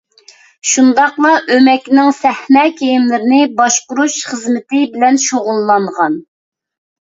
شۇنداقلا ئۆمەكنىڭ سەھنە كىيىملىرىنى باشقۇرۇش خىزمىتى بىلەن شۇغۇللانغان.